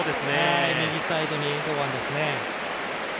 右サイドに堂安ですね。